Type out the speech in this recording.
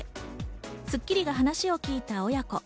『スッキリ』が話を聞いた親子。